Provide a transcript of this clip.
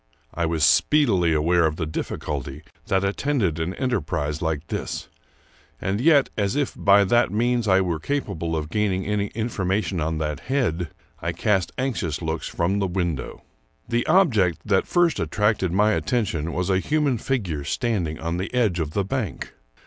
I was speedily aware of the difficulty that attended an enterprise 268 Charles Brockdt^n Brown like this; and yet, as if by that means I were capable of gaining any information on that head, I cast anxious looks from the window. The object that first attracted my attention was a human figure standing on the edge of the bank.